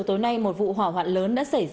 tại buổi lễ